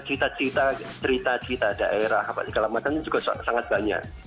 cerita cerita daerah apa segala macam juga sangat banyak